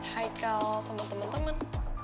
haikal sama temen temen